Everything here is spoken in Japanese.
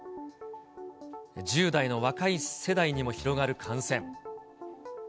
１０代の若い世代にも広がる感染。